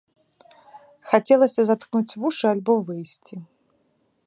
Хацелася заткнуць вушы альбо выйсці.